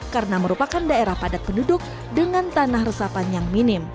karena merupakan daerah padat penduduk dengan tanah resapan yang minim